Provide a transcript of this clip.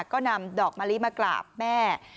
ก็นำดอกมะลิมากราบแม่